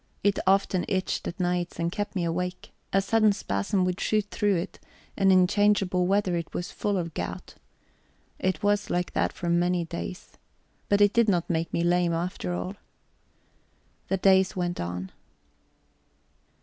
It often itched at nights, and kept me awake; a sudden spasm would shoot through it, and in changeable weather it was full of gout. It was like that for many days. But it did not make me lame, after all. The days went on.